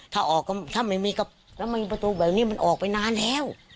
ถ้าไม่มีประตูแบบนี้มันออกไปนานแล้ว